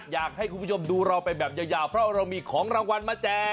อยากให้คุณผู้ชมดูเราไปแบบยาวเพราะเรามีของรางวัลมาแจก